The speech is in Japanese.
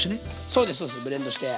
そうですそうですブレンドして。